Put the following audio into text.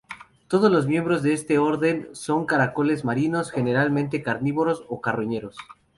Todos los miembros de este orden son caracoles marinos, generalmente carnívoros o carroñeros.